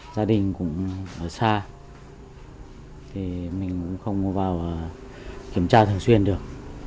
gia đình cũng ở xa mình cũng không vào kiểm tra thường xuyên được